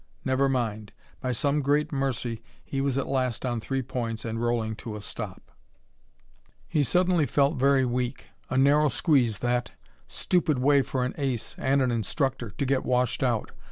Never mind.... By some great mercy he was at last on three points and rolling to a stop. He suddenly felt very weak. A narrow squeeze, that! Stupid way for an ace and an instructor to get washed out.